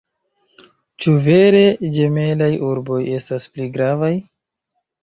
Ĉu vere ĝemelaj urboj estas pli gravaj?